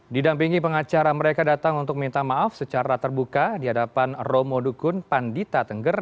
didampingi pengacara mereka datang untuk minta maaf secara terbuka di hadapan romo dukun pandita tengger